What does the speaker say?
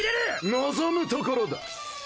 望むところだ。